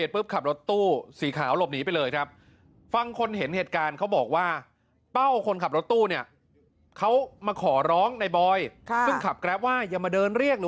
เป้าเนี่ยพี่เป้าหรือในปฐมด้วยนะ